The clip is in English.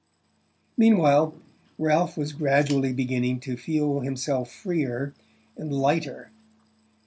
Meanwhile Ralph was gradually beginning to feel himself freer and lighter.